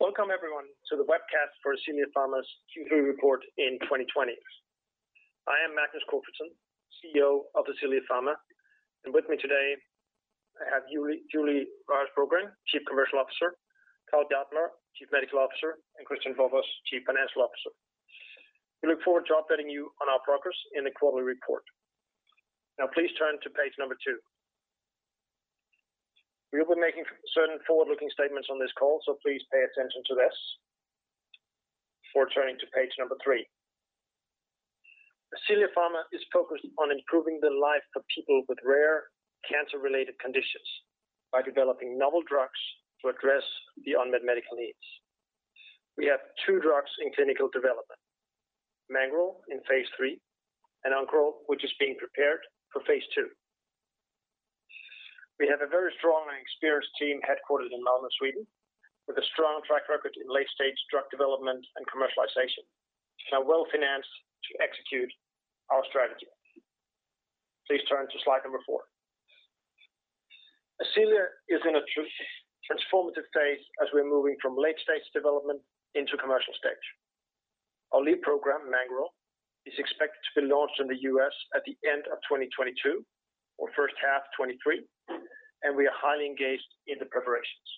Welcome everyone to the webcast for Ascelia Pharma's Q3 report in 2020. I am Magnus Corfitzen, CEO of Ascelia Pharma, with me today I have Julie Waras Brogren, Chief Commercial Officer, Carl Bjartmar, Chief Medical Officer, and Kristian Borbos, Chief Financial Officer. We look forward to updating you on our progress in the quarterly report. Please turn to page number two. We'll be making certain forward-looking statements on this call, so please pay attention to this before turning to page number three. Ascelia Pharma is focused on improving the life of people with rare cancer-related conditions by developing novel drugs to address the unmet medical needs. We have two drugs in clinical development, Mangoral in phase III, and Oncoral, which is being prepared for phase II. We have a very strong and experienced team headquartered in Malmö, Sweden, with a strong track record in late-stage drug development and commercialization, and are well-financed to execute our strategy. Please turn to slide number four. Ascelia is in a transformative phase as we're moving from late-stage development into commercial stage. Our lead program, Mangoral, is expected to be launched in the U.S. at the end of 2022 or first half 2023, and we are highly engaged in the preparations.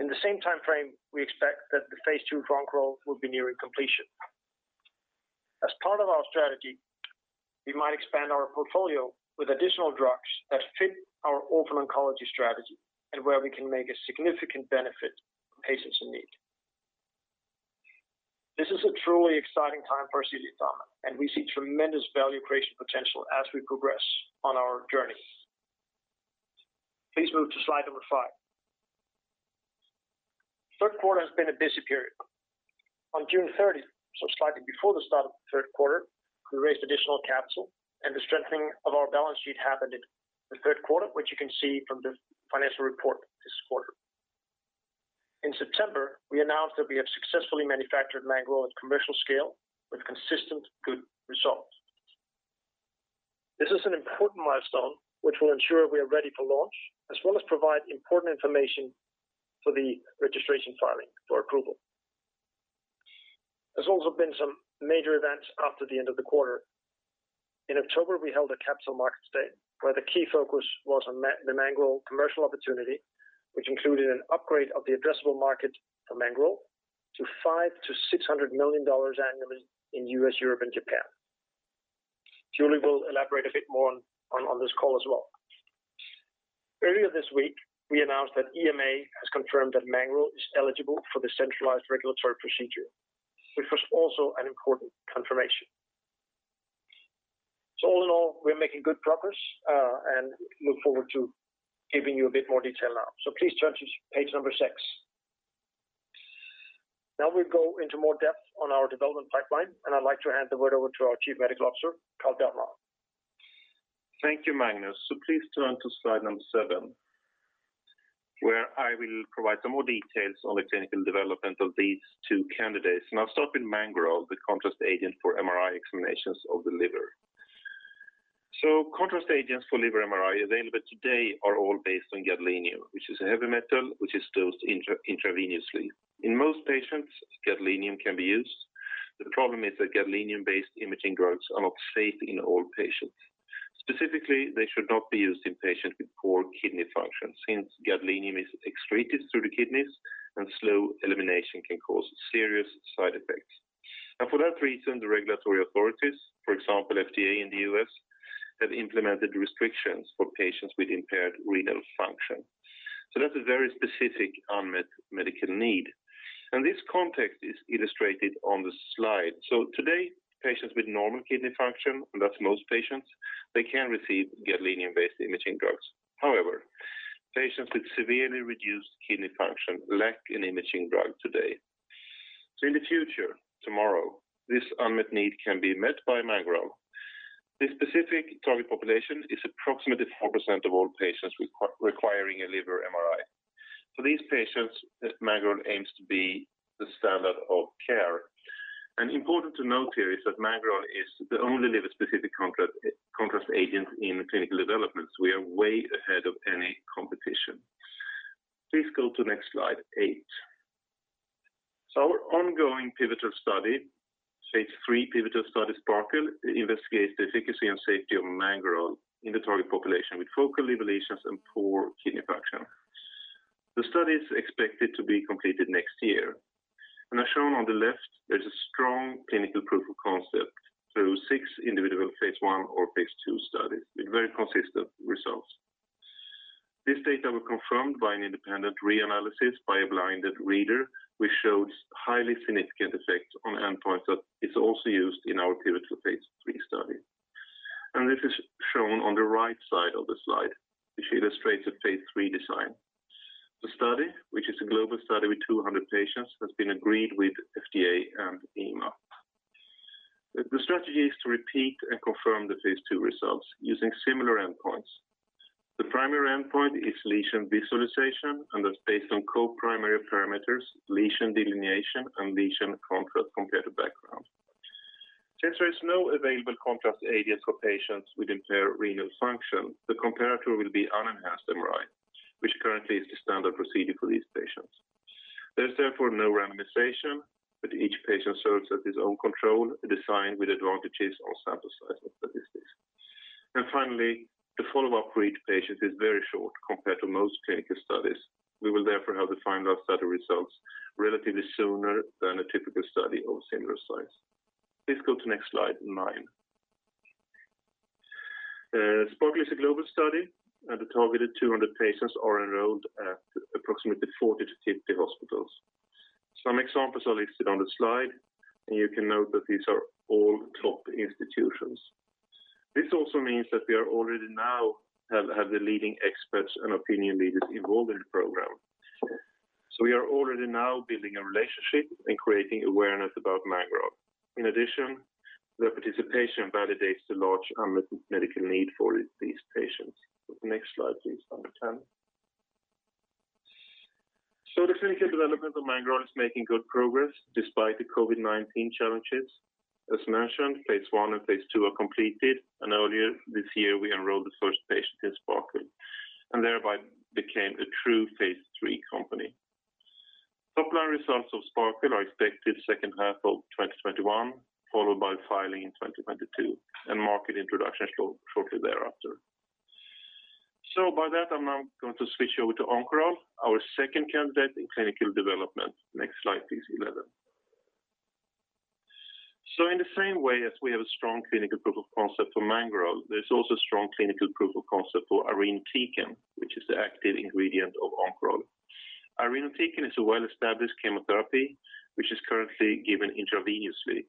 In the same timeframe, we expect that the phase II of Oncoral will be nearing completion. As part of our strategy, we might expand our portfolio with additional drugs that fit our orphan oncology strategy, and where we can make a significant benefit for patients in need. This is a truly exciting time for Ascelia Pharma, and we see tremendous value creation potential as we progress on our journey. Please move to slide number five. Third quarter has been a busy period. On June 30th, so slightly before the start of the third quarter, we raised additional capital and the strengthening of our balance sheet happened in the third quarter, which you can see from the financial report this quarter. In September, we announced that we have successfully manufactured Mangoral at commercial scale with consistent good results. This is an important milestone which will ensure we are ready for launch, as well as provide important information for the registration filing for approval. There's also been some major events after the end of the quarter. In October, we held a Capital Markets Day, where the key focus was on the Mangoral commercial opportunity, which included an upgrade of the addressable market for Mangoral to $500 million-$600 million annually in U.S., Europe, and Japan. Julie will elaborate a bit more on this call as well. Earlier this week, we announced that EMA has confirmed that Mangoral is eligible for the centralized regulatory procedure, which was also an important confirmation. All in all, we're making good progress, and look forward to giving you a bit more detail now. Please turn to page number six. Now we'll go into more depth on our development pipeline, and I'd like to hand the word over to our Chief Medical Officer, Carl Bjartmar. Thank you, Magnus. Please turn to slide number seven, where I will provide some more details on the clinical development of these two candidates. I'll start with Orviglance, the contrast agent for MRI examinations of the liver. Contrast agents for liver MRI available today are all based on gadolinium, which is a heavy metal which is dosed intravenously. In most patients, gadolinium can be used. The problem is that gadolinium-based imaging drugs are not safe in all patients. Specifically, they should not be used in patients with poor kidney function, since gadolinium is excreted through the kidneys and slow elimination can cause serious side effects. For that reason, the regulatory authorities, for example, FDA in the U.S., have implemented restrictions for patients with impaired renal function. That's a very specific unmet medical need, and this context is illustrated on the slide. Today, patients with normal kidney function, and that's most patients, they can receive gadolinium-based imaging drugs. However, patients with severely reduced kidney function lack an imaging drug today. In the future, tomorrow, this unmet need can be met by Orviglance. This specific target population is approximately 4% of all patients requiring a liver MRI. For these patients, Orviglance aims to be the standard of care. Important to note here is that Orviglance is the only liver-specific contrast agent in clinical development, so we are way ahead of any competition. Please go to next slide, eight. Our ongoing pivotal study, phase III pivotal study, SPARKLE, investigates the efficacy and safety of Orviglance in the target population with focal liver lesions and poor kidney function. The study is expected to be completed next year, and as shown on the left, there's a strong clinical proof of concept through six individual phase I or phase II studies with very consistent results. This data was confirmed by an independent reanalysis by a blinded reader, which shows highly significant effect on endpoints that is also used in our pivotal phase III study. This is shown on the right side of the slide, which illustrates the phase III design. The study, which is a global study with 200 patients, has been agreed with FDA and EMA. The strategy is to repeat and confirm the phase II results using similar endpoints. The primary endpoint is lesion visualization, and that's based on co-primary parameters, lesion delineation, and lesion contrast compared to background. Since there is no available contrast agents for patients with impaired renal function, the comparator will be unenhanced MRI, which currently is the standard procedure for these patients. There is therefore no randomization, but each patient serves as his own control, a design with advantages on sample size and statistics. Finally, the follow-up for each patient is very short compared to most clinical studies. We will therefore have the final study results relatively sooner than a typical study of similar size. Please go to next slide nine. SPARKLE is a global study. A targeted 200 patients are enrolled at approximately 40-50 hospitals. Some examples are listed on the slide. You can note that these are all top institutions. This also means that we already now have the leading experts and opinion leaders involved in the program. We are already now building a relationship and creating awareness about Orviglance. In addition, their participation validates the large unmet medical need for these patients. Next slide, please, 10. The clinical development of Orviglance is making good progress despite the COVID-19 challenges. As mentioned, phase I and phase II are completed, and earlier this year we enrolled the first patient in SPARKLE, and thereby became a true phase III company. Top-line results of SPARKLE are expected second half of 2021, followed by filing in 2022, and market introduction shortly thereafter. With that, I'm now going to switch over to Oncoral, our second candidate in clinical development. Next slide, please, 11. In the same way as we have a strong clinical proof of concept for Orviglance, there's also strong clinical proof of concept for irinotecan, which is the active ingredient of Oncoral. Irinotecan is a well-established chemotherapy, which is currently given intravenously.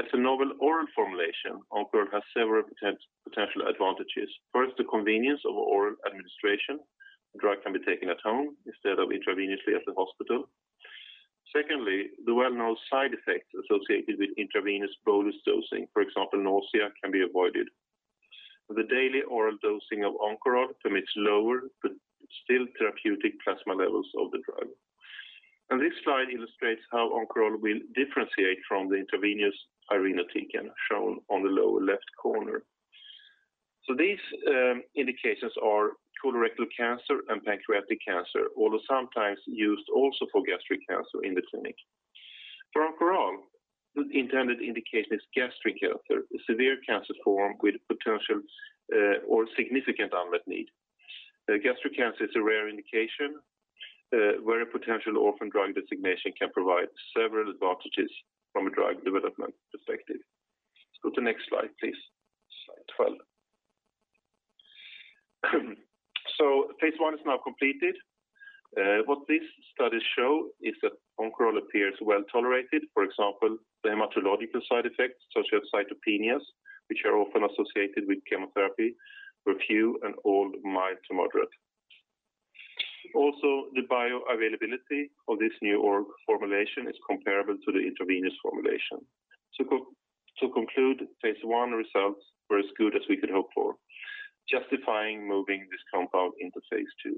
As a novel oral formulation, Oncoral has several potential advantages. First, the convenience of oral administration. The drug can be taken at home instead of intravenously at the hospital. Secondly, the well-known side effects associated with intravenous bolus dosing, for example, nausea, can be avoided. The daily oral dosing of Oncoral permits lower but still therapeutic plasma levels of the drug. This slide illustrates how Oncoral will differentiate from the intravenous irinotecan shown on the lower left corner. These indications are colorectal cancer and pancreatic cancer, although sometimes used also for gastric cancer in the clinic. For Oncoral, the intended indication is gastric cancer, a severe cancer form with potential or significant unmet need. Gastric cancer is a rare indication where a potential orphan drug designation can provide several advantages from a drug development perspective. Go to next slide, please. Slide 12. Phase I is now completed. What these studies show is that Oncoral appears well-tolerated. For example, the hematological side effects such as cytopenias, which are often associated with chemotherapy, were few and all mild to moderate. Also, the bioavailability of this new oral formulation is comparable to the intravenous formulation. To conclude, phase I results were as good as we could hope for, justifying moving this compound into phase II.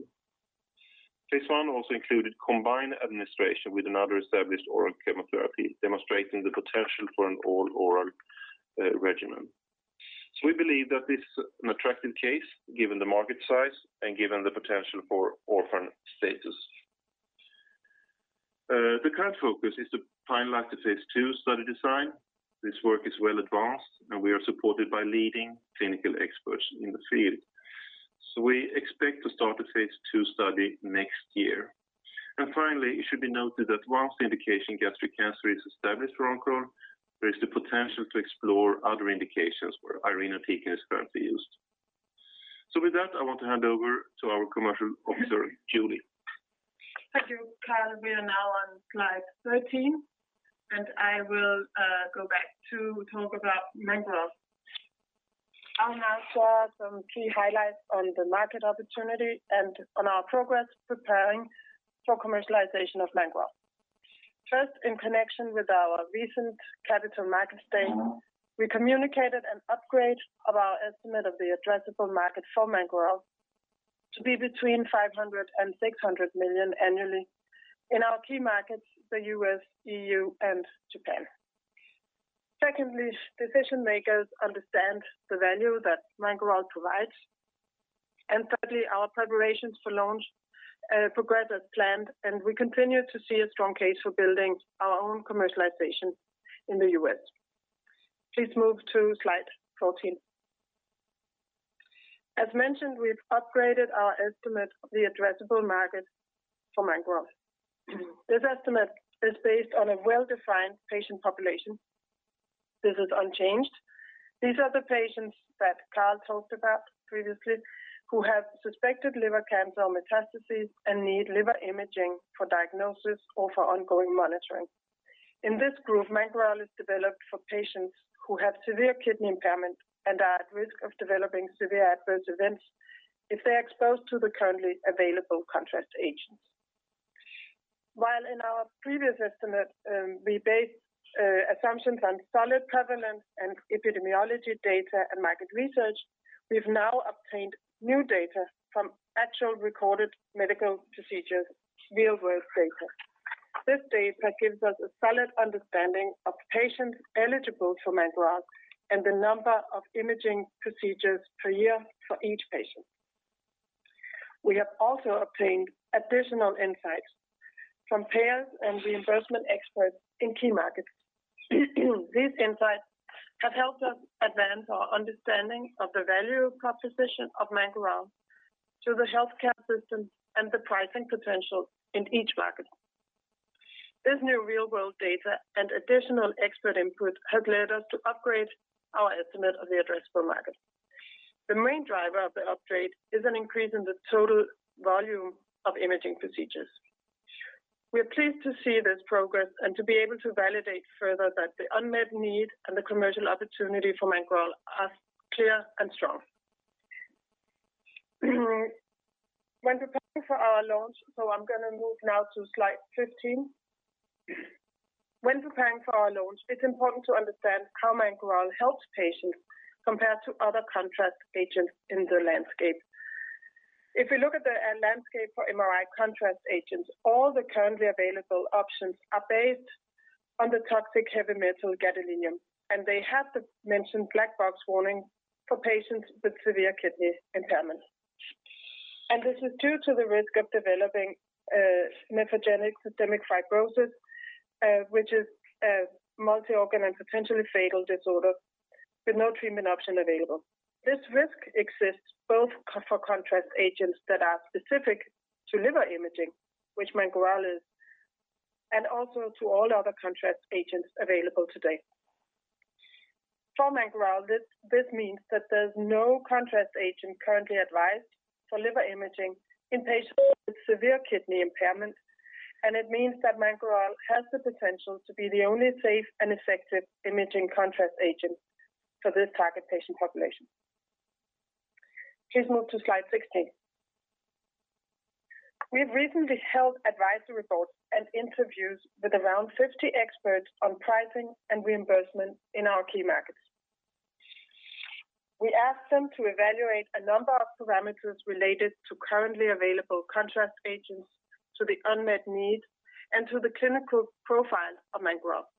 Phase I also included combined administration with another established oral chemotherapy, demonstrating the potential for an all-oral regimen. We believe that this is an attractive case given the market size and given the potential for orphan status. The current focus is to finalize the phase II study design. This work is well advanced, and we are supported by leading clinical experts in the field. We expect to start the phase II study next year. Finally, it should be noted that once the indication gastric cancer is established for Oncoral, there is the potential to explore other indications where irinotecan is currently used. With that, I want to hand over to our Chief Commercial Officer, Julie. Thank you, Carl. We are now on slide 13. I will go back to talk about Orviglance. I'll now share some key highlights on the market opportunity and on our progress preparing for commercialization of Orviglance. First, in connection with our recent capital markets day, we communicated an upgrade of our estimate of the addressable market for Orviglance to be between $500 million-$600 million annually in our key markets, the U.S., EU, and Japan. Secondly, decision-makers understand the value that Orviglance provides. Thirdly, our preparations for launch progress as planned, and we continue to see a strong case for building our own commercialization in the U.S. Please move to slide 14. As mentioned, we've upgraded our estimate of the addressable market for Orviglance. This estimate is based on a well-defined patient population. This is unchanged. These are the patients that Carl talked about previously who have suspected liver cancer or metastases and need liver imaging for diagnosis or for ongoing monitoring. In this group, Orviglance is developed for patients who have severe kidney impairment and are at risk of developing severe adverse events if they're exposed to the currently available contrast agents. While in our previous estimate, we based assumptions on solid prevalence and epidemiology data and market research. We've now obtained new data from actual recorded medical procedures, real world data. This data gives us a solid understanding of patients eligible for Orviglance and the number of imaging procedures per year for each patient. We have also obtained additional insights from payers and reimbursement experts in key markets. These insights have helped us advance our understanding of the value proposition of Orviglance to the healthcare system and the pricing potential in each market. This new real-world data and additional expert input have led us to upgrade our estimate of the addressable market. The main driver of the upgrade is an increase in the total volume of imaging procedures. We are pleased to see this progress and to be able to validate further that the unmet need and the commercial opportunity for Orviglance are clear and strong. When preparing for our launch, I'm going to move now to slide 15. When preparing for our launch, it's important to understand how Orviglance helps patients compared to other contrast agents in the landscape. If we look at the landscape for MRI contrast agents, all the currently available options are based on the toxic heavy metal gadolinium, and they have the mentioned black box warning for patients with severe kidney impairment. This is due to the risk of developing nephrogenic systemic fibrosis, which is a multi-organ and potentially fatal disorder with no treatment option available. This risk exists both for contrast agents that are specific to liver imaging, which Orviglance is, and also to all other contrast agents available today. For Orviglance, this means that there's no contrast agent currently advised for liver imaging in patients with severe kidney impairment, and it means that Orviglance has the potential to be the only safe and effective imaging contrast agent for this target patient population. Please move to slide 16. We have recently held advisory boards and interviews with around 50 experts on pricing and reimbursement in our key markets. We asked them to evaluate a number of parameters related to currently available contrast agents to the unmet need and to the clinical profile of Orviglance.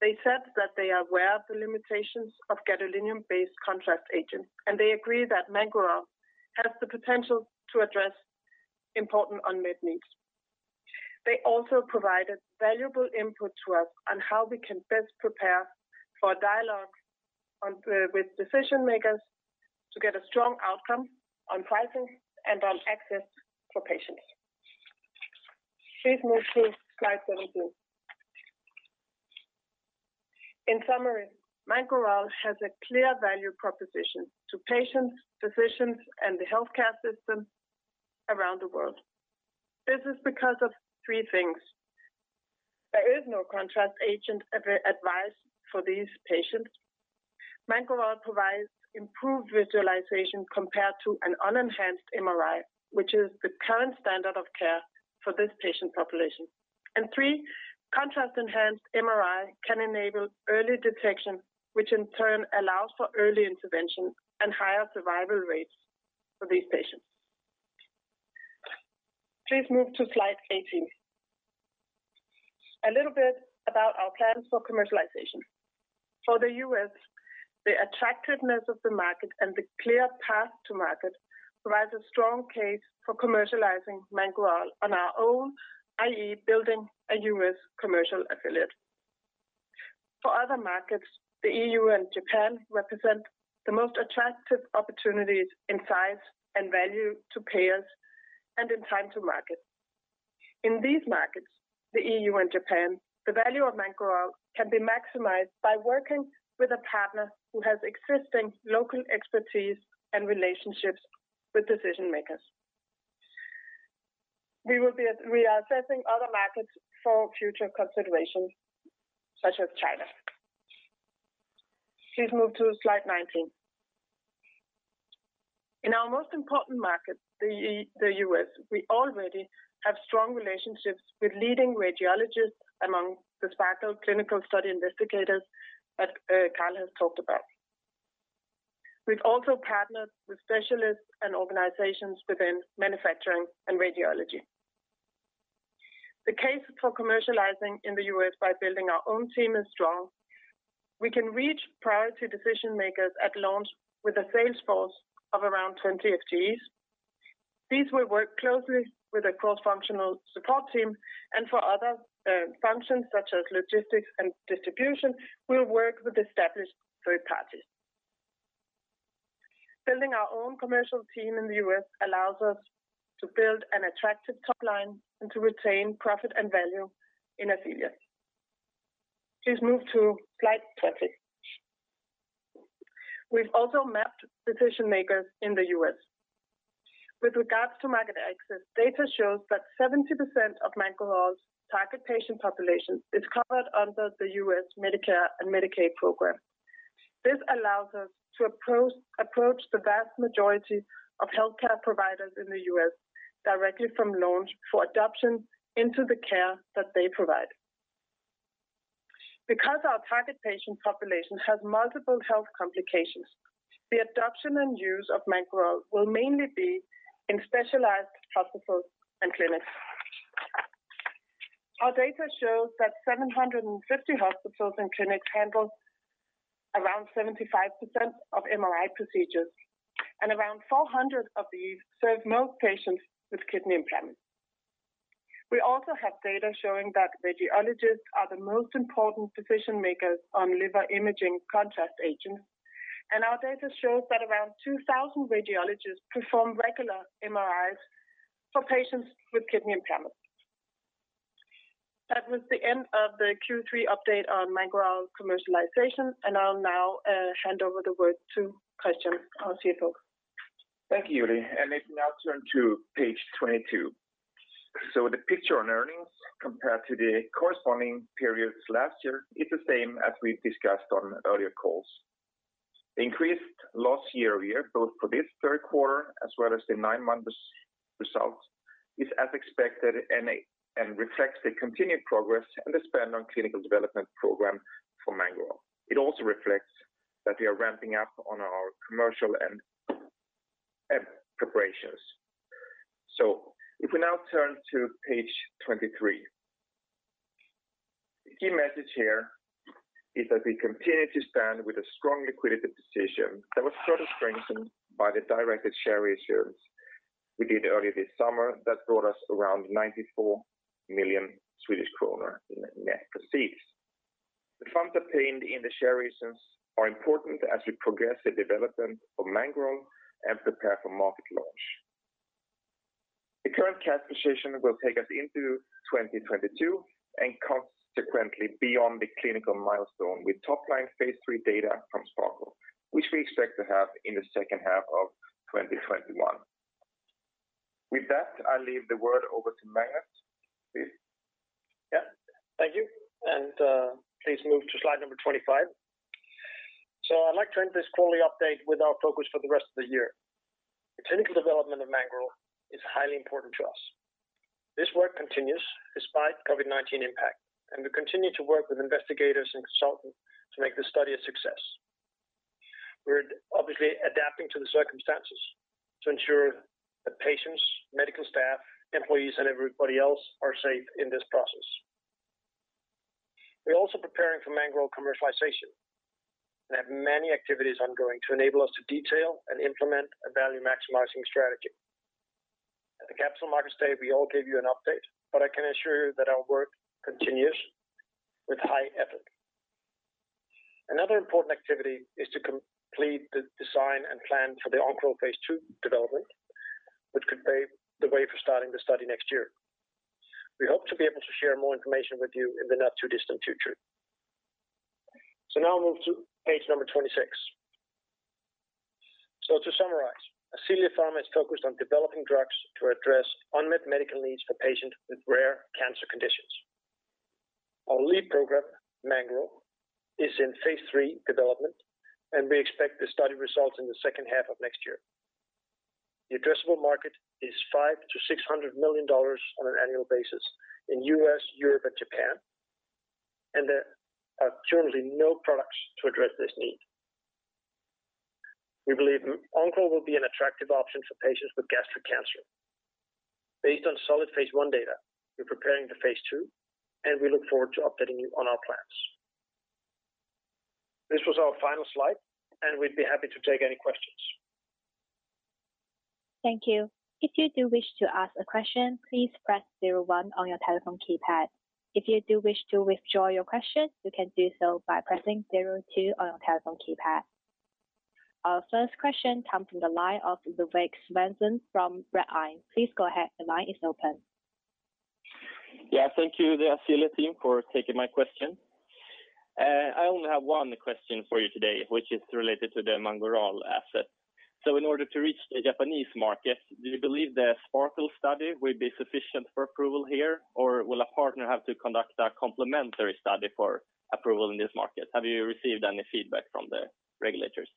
They said that they are aware of the limitations of gadolinium-based contrast agents, they agree that Orviglance has the potential to address important unmet needs. They also provided valuable input to us on how we can best prepare for dialogue with decision-makers to get a strong outcome on pricing and on access for patients. Please move to slide 17. In summary, Orviglance has a clear value proposition to patients, physicians, and the healthcare system around the world. This is because of three things. There is no contrast agent ever advised for these patients. Orviglance provides improved visualization compared to an unenhanced MRI, which is the current standard of care for this patient population. Three, contrast-enhanced MRI can enable early detection, which in turn allows for early intervention and higher survival rates for these patients. Please move to slide 18. A little bit about our plans for commercialization. For the U.S., the attractiveness of the market and the clear path to market provides a strong case for commercializing Orviglance on our own, i.e., building a U.S. commercial affiliate. For other markets, the EU and Japan represent the most attractive opportunities in size and value to payers and in time to market. In these markets, the EU and Japan, the value of Orviglance can be maximized by working with a partner who has existing local expertise and relationships with decision-makers. We are assessing other markets for future consideration, such as China. Please move to slide 19. In our most important market, the U.S., we already have strong relationships with leading radiologists among the SPARKLE clinical study investigators that Carl has talked about. We've also partnered with specialists and organizations within manufacturing and radiology. The case for commercializing in the U.S. by building our own team is strong. We can reach priority decision-makers at launch with a sales force of around 20 FTEs. These will work closely with a cross-functional support team, and for other functions such as logistics and distribution, we'll work with established third parties. Building our own commercial team in the U.S. allows us to build an attractive top line and to retain profit and value in Ascelia. Please move to slide 20. We've also mapped decision-makers in the U.S. With regards to market access, data shows that 70% of Orviglance's target patient population is covered under the U.S. Medicare and Medicaid program. This allows us to approach the vast majority of healthcare providers in the U.S. directly from launch for adoption into the care that they provide. Because our target patient population has multiple health complications, the adoption and use of Orviglance will mainly be in specialized hospitals and clinics. Our data shows that 750 hospitals and clinics handle around 75% of MRI procedures, and around 400 of these serve most patients with kidney impairment. We also have data showing that radiologists are the most important decision-makers on liver imaging contrast agents, and our data shows that around 2,000 radiologists perform regular MRIs for patients with kidney impairment. That was the end of the Q3 update on Orviglance commercialization. I'll now hand over the word to Kristian, our CFO. Thank you, Julie. If we now turn to page 22. The picture on earnings compared to the corresponding periods last year is the same as we've discussed on earlier calls. Increased loss year-over-year, both for this third quarter as well as the nine-month results, is as expected and reflects the continued progress and the spend on clinical development program for Orviglance. It also reflects that we are ramping up on our commercial and prep preparations. If we now turn to page 23. The key message here is that we continue to stand with a strong liquidity position that was further strengthened by the directed share issuance we did earlier this summer that brought us around 94 million Swedish kronor in net proceeds. The funds obtained in the share issuance are important as we progress the development of Orviglance and prepare for market launch. The current cash position will take us into 2022 and consequently beyond the clinical milestone with top-line phase III data from SPARKLE, which we expect to have in the second half of 2021. With that, I leave the word over to Magnus, please. Yeah. Thank you. Please move to slide number 25. I'd like to end this quarterly update with our focus for the rest of the year. The clinical development of Orviglance is highly important to us. This work continues despite COVID-19 impact, and we continue to work with investigators and consultants to make the study a success. We're obviously adapting to the circumstances to ensure that patients, medical staff, employees, and everybody else are safe in this process. We're also preparing for Orviglance commercialization. We have many activities ongoing to enable us to detail and implement a value-maximizing strategy. At the Capital Markets Day, we all gave you an update, but I can assure you that our work continues with high effort. Another important activity is to complete the design and plan for the Oncoral phase II development, which could pave the way for starting the study next year. We hope to be able to share more information with you in the not-too-distant future. Now move to page number 26. To summarize, Ascelia Pharma is focused on developing drugs to address unmet medical needs for patients with rare cancer conditions. Our lead program, Orviglance, is in phase III development, and we expect the study results in the second half of next year. The addressable market is $500 million-$600 million on an annual basis in U.S., Europe, and Japan, and there are currently no products to address this need. We believe Oncoral will be an attractive option for patients with gastric cancer. Based on solid phase I data, we're preparing the phase II, and we look forward to updating you on our plans. This was our final slide, and we'd be happy to take any questions. Thank you. Our first question comes from the line of Ludvig Svensson from Redeye. Please go ahead. The line is open. Yeah, thank you, the Ascelia team, for taking my question. I only have one question for you today, which is related to the Orviglance asset. In order to reach the Japanese market, do you believe the SPARKLE study will be sufficient for approval here, or will a partner have to conduct a complementary study for approval in this market? Have you received any feedback from the regulators?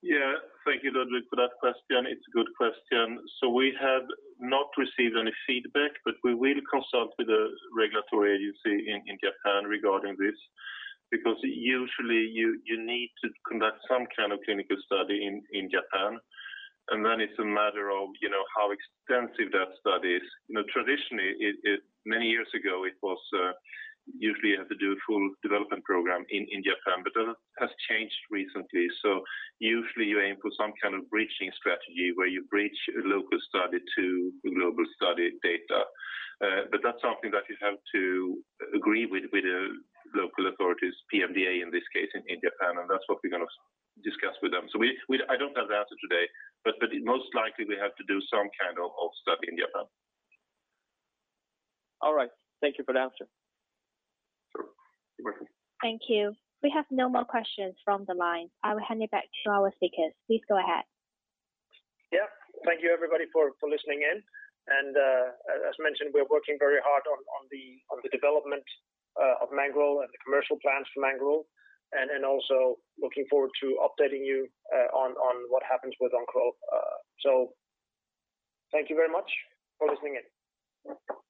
Yeah, thank you, Ludvig, for that question. It's a good question. We have not received any feedback, but we will consult with the regulatory agency in Japan regarding this, because usually you need to conduct some kind of clinical study in Japan, and then it's a matter of how extensive that study is. Traditionally, many years ago, it was usually you have to do a full development program in Japan, but that has changed recently. Usually you aim for some kind of bridging strategy where you bridge a local study to the global study data. That's something that you have to agree with the local authorities, PMDA in this case in Japan, and that's what we're going to discuss with them. I don't have the answer today, but most likely we have to do some kind of study in Japan. All right. Thank you for the answer. Sure. Thank you. We have no more questions from the line. I will hand it back to our speakers. Please go ahead. Thank you, everybody, for listening in. As mentioned, we're working very hard on the development of Orviglance and the commercial plans for Orviglance, and also looking forward to updating you on what happens with Oncoral. Thank you very much for listening in.